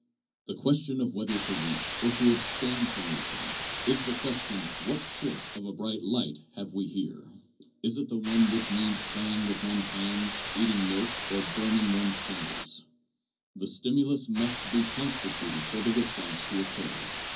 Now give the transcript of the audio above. The question of whether to reach or to abstain from reaching is the question what 3 68 JOHN DEWEY. sort of a bright light have we here ? Is it the one which means playing with one's hands, eating milk, or burning one's fingers? The stimulus must be constituted for the response to occur.